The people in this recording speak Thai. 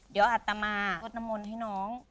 เดี๋ยวอัตมารดน้ำมนต์ให้น้อง